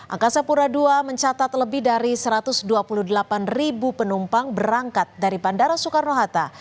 angkasa pura ii mencatat lebih dari satu ratus dua puluh delapan penumpang berangkat dari bandara soekarno hatta